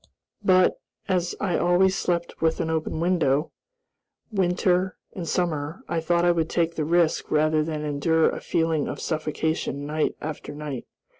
But, as I always slept with an open window, winter and summer, I thought I would take the risk rather than endure a feeling of suffocation night after night.